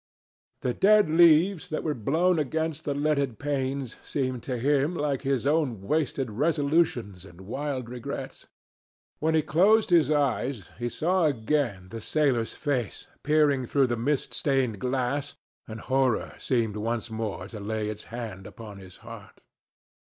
The dead leaves that were blown against the leaded panes seemed to him like his own wasted resolutions and wild regrets. When he closed his eyes, he saw again the sailor's face peering through the mist stained glass, and horror seemed once more to lay its hand upon his heart.